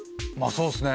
そうっすね。